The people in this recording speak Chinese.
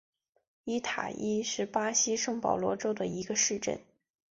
伊塔伊是巴西圣保罗州的一个市镇。